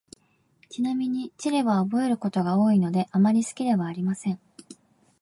ちなみに、地理は覚えることが多いので、あまり好きではありません。